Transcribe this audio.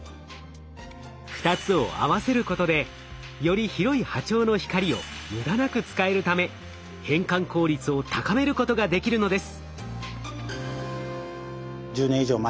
２つを合わせることでより広い波長の光を無駄なく使えるため変換効率を高めることができるのです。